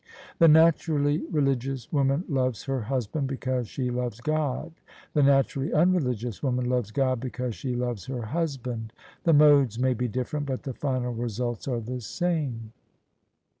The naturally religious woman loves her husband because she loves God: the naturally un religious woman loves God because she loves her husband. The modes may be different, but the final results are the same.